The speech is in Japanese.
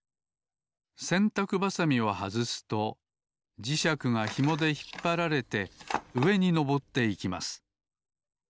せんたくばさみをはずすと磁石がひもでひっぱられてうえにのぼっていきます。